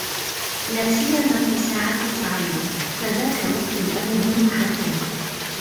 لاسيما في ساعة التعلُمِ فذاك وقت الادب المُحَتَّمِ